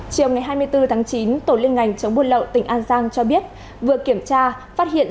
chiều ngày hai mươi bốn tháng chín tổ liên ngành chống buôn lậu tỉnh an giang cho biết vừa kiểm tra phát hiện